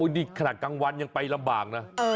โอ้ยนี่ขนาดกลางวันยังไประบากนะ